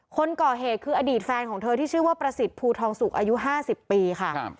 คนก่อเหตุคืออดีตแฟนของเธอที่ชื่อว่าประสิทธิ์ภูทองสุกอายุ๕๐ปีค่ะ